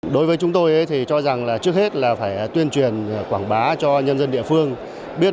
đối với chúng tôi thì cho rằng là trước hết là phải tuyên truyền quảng bá cho nhân dân địa phương